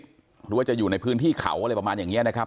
หรือว่าจะอยู่ในพื้นที่เขาอะไรประมาณอย่างนี้นะครับ